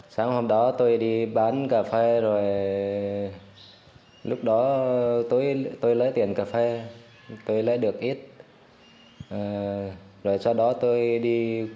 sáng hôm đó tôi đi bán cà phê rồi lúc đó tôi lấy tiền cà phê tôi lấy được ít rồi sau đó tôi đi